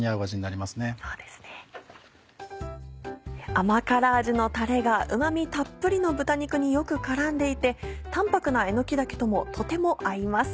甘辛味のタレがうま味たっぷりの豚肉によく絡んでいて淡泊なえのき茸ともとても合います。